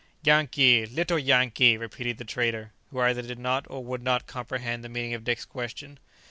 "Yankee! little Yankee!" repeated the trader, who either did not or would not comprehend the meaning of Dick's question.